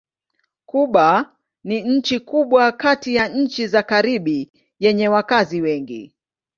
Kuba ni nchi kubwa kati ya nchi za Karibi yenye wakazi wengi.